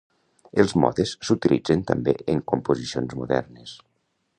Els modes s'utilitzen també en composicions modernes.